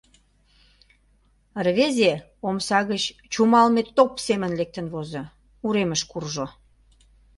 Рвезе омса гыч чумалме топ семын лектын возо, уремыш куржо.